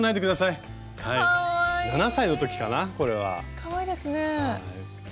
かわいいですね。